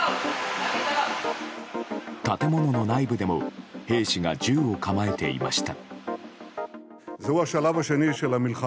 建物の内部でも兵士が銃を構えていました。